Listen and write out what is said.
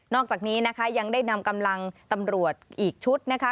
อกจากนี้นะคะยังได้นำกำลังตำรวจอีกชุดนะคะ